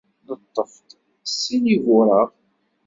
Neṭṭef-d sin ibuṛaɣ.